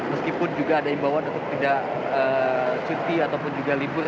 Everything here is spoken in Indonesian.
meskipun juga ada imbauan untuk tidak cuti ataupun juga libur